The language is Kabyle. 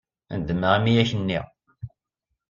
Nedmeɣ imi ay ak-nniɣ.